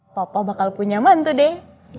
papa bakal punya mantu deh